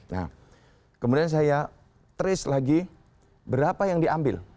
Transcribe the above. nah kemudian saya trace lagi berapa yang diambil